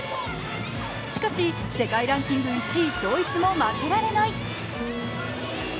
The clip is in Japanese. しかし世界ランキング１位ドイツも負けられない。